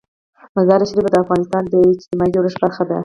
مزارشریف د افغانستان د اجتماعي جوړښت برخه ده.